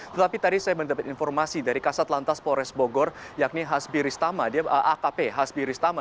tetapi tadi saya mendapat informasi dari kasat lantas polres bogor yakni hasbiristama dia akp hasbiristama